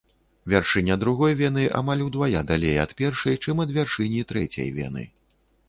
Вяршыня другой вены амаль удвая далей ад першай, чым ад вяршыні трэцяй вены.